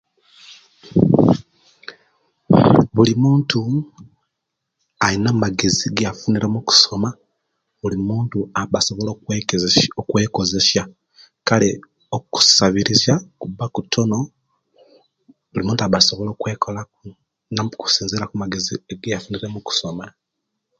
Buli muntu alina amagezi egeyafunire mukusoma bulinmuntu aba asobola okwegezesiya okwekozesiya kale okusabiriza kuba kutono bulinmuntu aba asobola okola okusinzira ku magezi egeya funire mukusoma